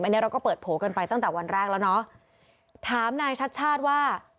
อันนี้เราก็เปิดโผล่กันไปตั้งแต่วันแรกแล้วเนอะถามนายชัดชาติว่า